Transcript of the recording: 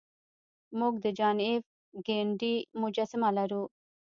موږ د جان ایف کینیډي مجسمه لرو